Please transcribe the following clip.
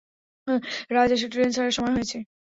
রাজ, এসো ট্রেন ছাড়ার সময় হয়েছে।